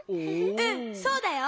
うんそうだよ。